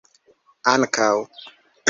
ankaŭ